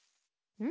うん！